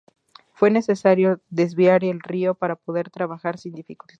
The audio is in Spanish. Fue necesario desviar el río para poder trabajar sin dificultad.